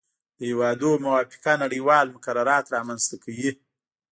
د هیوادونو موافقه نړیوال مقررات رامنځته کوي